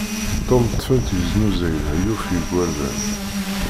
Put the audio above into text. Tom ṭṭfen-t yeznuzay lehyuf i igerdan.